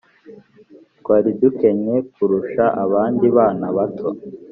twari dukennye kurusha abandi bana bato